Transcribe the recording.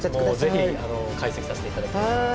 ぜひ解析させて頂きます。